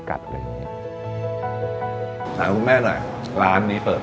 ๒๐กว่า